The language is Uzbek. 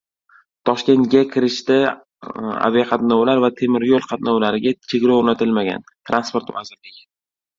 Toshkentga kirishda aviaqatnovlar va temir yo‘l qatnovlariga cheklov o‘rnatilmagan — Transport vazirligi